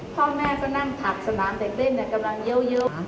พ่อแม่ก็นั่งถักสนามเด็กเล่นเกมย่อยู่